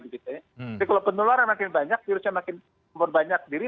jadi kalau penularan makin banyak virusnya makin memperbanyak diri